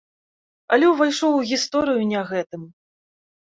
Але ўвайшоў у гісторыю не гэтым.